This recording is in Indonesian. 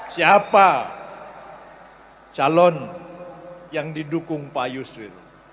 siapa calon yang didukung pak yusril